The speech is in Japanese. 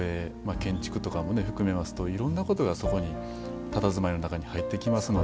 建築とかも含めますといろんなことがたたずまいの中に入ってきますので。